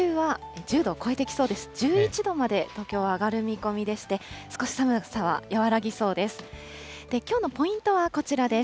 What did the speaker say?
１１度まで東京は上がる見込みでして、少し寒さは和らぎそうです。